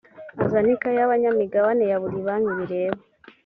azane ikaye y’abanyamigabane ya buri banki bireba